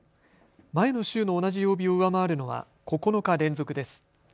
前の週の同じ曜日を上回るのは９日連続です。